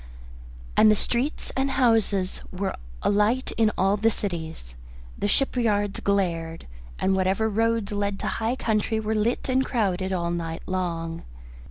And the streets and houses were alight in all the cities, the shipyards glared, and whatever roads led to high country were lit and crowded all night long.